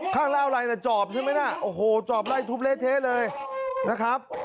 ข้างล่าอะไรนะจอบใช่ไหมน่ะโอ้โหจอบไล่ทุบเละเทะเลยนะครับ